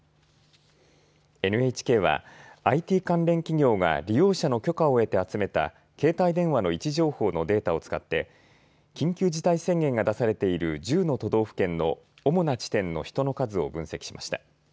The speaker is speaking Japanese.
ＮＨＫはＩＴ関連企業が利用者の許可を得て集めた携帯電話の位置情報のデータを使って緊急事態宣言が出されている１０の都道府県の主な地点の人の数を分析しました。